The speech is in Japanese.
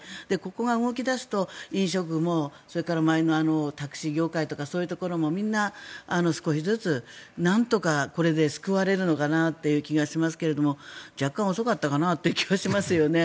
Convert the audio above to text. ここが動き出すと飲食もそれから周りのタクシー業界とかそういうところもみんな少しずつなんとかこれで救われるのかなという気がしますけれども若干遅かったかなという気はしますよね。